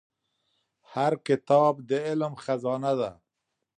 هر کتاب د علم خزانه ده.